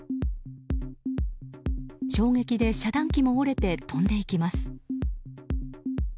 衝撃で遮断機も折れて飛んでいきます。